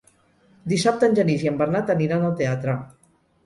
Dissabte en Genís i en Bernat aniran al teatre.